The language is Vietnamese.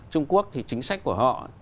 trung quốc thì chính sách của họ